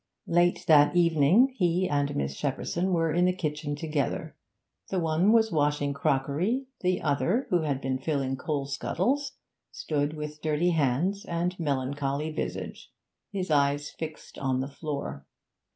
Late that evening he and Miss Shepperson were in the kitchen together: the one was washing crockery, the other, who had been filling coal scuttles, stood with dirty hands and melancholy visage, his eyes fixed on the floor.